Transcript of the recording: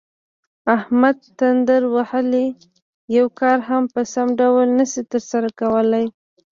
احمد تندر وهلی یو کار هم په سم ډول نشي ترسره کولی.